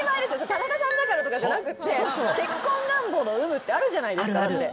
田中さんだからとかじゃなくて結構願望の有無ってあるじゃないですか。